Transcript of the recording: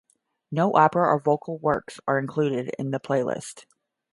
No opera or vocal works are included in the playlist.